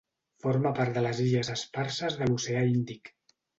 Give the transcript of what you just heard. Forma part de les illes Esparses de l'oceà Índic.